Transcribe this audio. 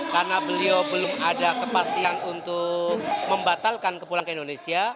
karena beliau belum ada kepastian untuk membatalkan pulang ke indonesia